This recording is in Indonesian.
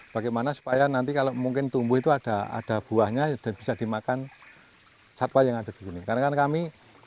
bagaimana supaya nanti kalau mungkin tumbuh itu ada ada buahnya dan bisa dimakan satwa yang ada di sini